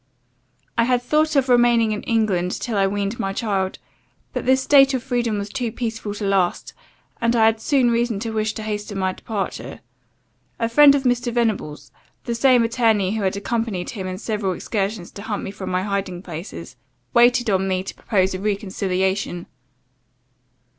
"I had thought of remaining in England, till I weaned my child; but this state of freedom was too peaceful to last, and I had soon reason to wish to hasten my departure. A friend of Mr. Venables, the same attorney who had accompanied him in several excursions to hunt me from my hiding places, waited on me to propose a reconciliation.